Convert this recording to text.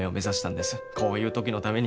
こういう時のために。